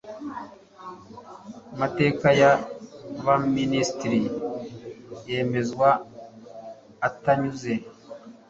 mateka y abaminisitiri yemezwa atanyuze